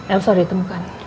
i'm sorry itu bukan